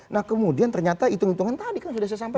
nah kemudian ternyata hitung hitungan tadi kan sudah sampai